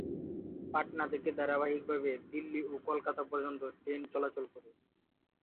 পাটনা থেকে ধারাবাহিক ভাবে দিল্লি ও কলকাতা পর্যন্ত ট্রেন চলাচল করে।